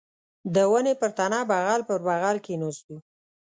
د ونې پر تنه بغل پر بغل کښېناستو.